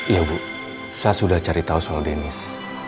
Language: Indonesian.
iya bu saya sudah cari tahu soal denis